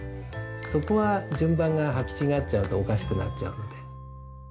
そこは順番が履き違っちゃうとおかしくなっちゃうんで。